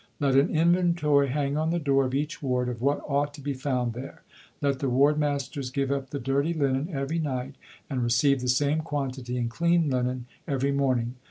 Let an inventory hang on the door of each ward of what ought to be found there. Let the Ward Masters give up the dirty linen every night and receive the same quantity in clean linen every morning.